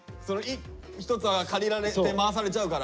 １つは借りられて回されちゃうから？